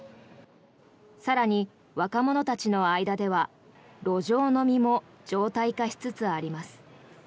更に、若者たちの間では路上飲みも常態化しつつあります。